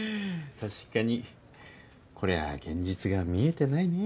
確かにこりゃ現実が見えてないね。